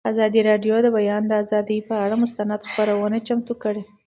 ازادي راډیو د د بیان آزادي پر اړه مستند خپرونه چمتو کړې.